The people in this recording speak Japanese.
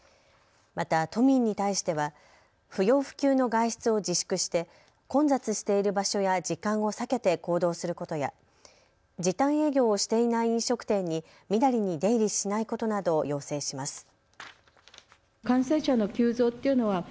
また都民に対しては不要不急の外出を自粛して混雑している場所や時間を避けて行動することや時短営業をしていない飲食店にみだりに出入りしないことなどを要請します。